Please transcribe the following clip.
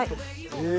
え！